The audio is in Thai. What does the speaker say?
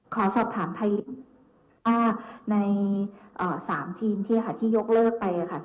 ขอสอบถามใน๓ทีมที่ยกเลิกไปค่ะ